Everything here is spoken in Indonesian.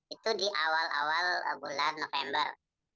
itu di awal awal bulan november